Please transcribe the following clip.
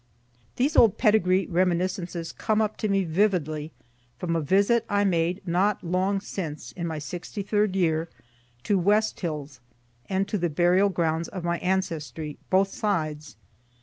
These old pedigree reminiscences come up to me vividly from a visit I made not long since (in my 63d year) to West Hills, and to the burial grounds of my ancestry, both sides.